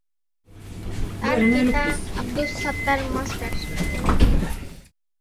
তার পিতা আব্দুস সাত্তার মাস্টার।